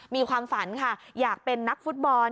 มีความฝันค่ะอยากเป็นนักฟุตบอล